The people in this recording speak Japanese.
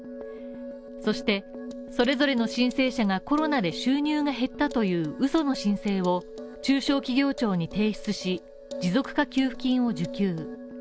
そして、それぞれの申請者がコロナで収入が減ったという嘘の申請を中小企業庁に提出し、持続化給付金を受給。